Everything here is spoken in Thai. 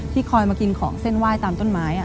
คอยมากินของเส้นไหว้ตามต้นไม้